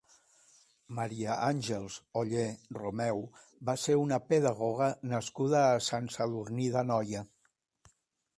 Maria Àngels Ollé Romeu va ser una pedagoga nascuda a Sant Sadurní d'Anoia.